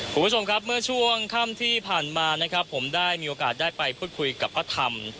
คุณผู้ชมครับเมื่อช่วงค่ำที่ผ่านมานะครับผมได้มีโอกาสได้ไปพูดคุยกับพระธรรม